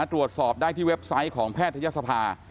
ตรวจสอบได้ที่เว็บไซต์ของแพทยศภา